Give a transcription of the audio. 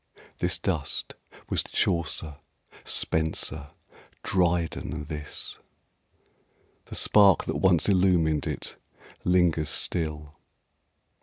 This dust was Chaucer, Spenser, Dryden this The spark that once illumed it lingers still.